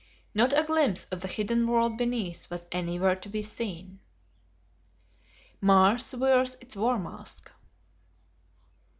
Not a glimpse of the hidden world beneath was anywhere to be seen. Mars Wears Its War Mask.